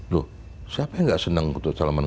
loh siapa yang gak senang salaman